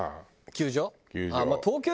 球場。